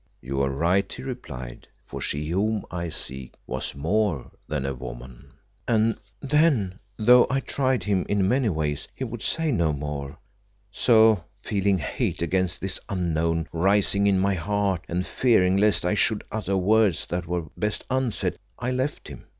"'You are right,' he replied, 'for she whom I seek was more than a woman.' "And then and then though I tried him in many ways he would say no more, so, feeling hate against this Unknown rising in my heart, and fearing lest I should utter words that were best unsaid, I left him.